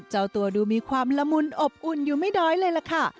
เจ้าตัวดูมีความละมุนอบอุ่นอยู่ไม่น้อยเลยล่ะค่ะ